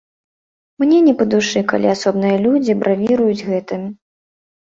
Мне не па душы, калі асобныя людзі бравіруюць гэтым.